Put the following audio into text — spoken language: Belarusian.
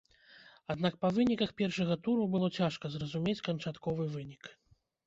Аднак па выніках першага туру было цяжка зразумець канчатковы вынік.